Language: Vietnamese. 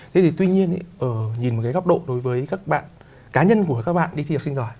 thế thì tuy nhiên nhìn một cái góc độ đối với các bạn cá nhân của các bạn đi khi học sinh giỏi